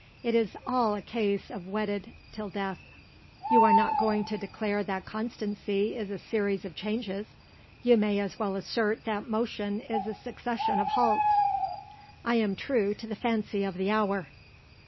It is all a case of wedded till death." "You are not going to declare that constancy is a series of changes? You may as well assert that motion is a succession of halts." "I am true to the fancy of the hour."